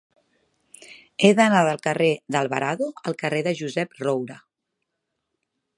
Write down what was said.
He d'anar del carrer d'Alvarado al carrer de Josep Roura.